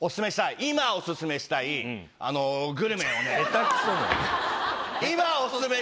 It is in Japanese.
今オススメしたいグルメ。